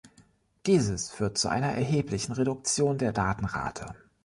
Dieses führt zu einer erheblichen Reduktion der Datenrate.